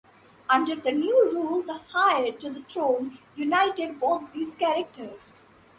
Under the new rule the heir to the throne united both these characters.